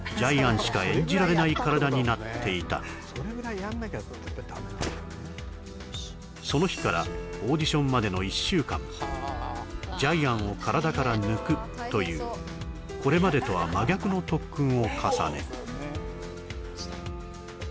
なっていたその日からオーディションまでの１週間ジャイアンを体から抜くというこれまでとは真逆の特訓を重ね